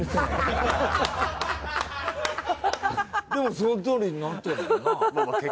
でもそのとおりになってるんだもんな。